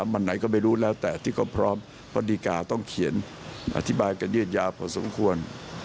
วันไหนก็ไม่รู้แล้วแต่ที่เขาพร้อมเพราะดีการ์ต้องเขียนอธิบายกันยืดยาวพอสมควร